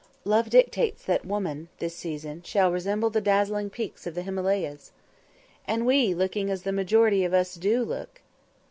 "Love dictates that women, this season, shall resemble the dazzling peaks of the Himalayas." And we looking as the majority of us do look!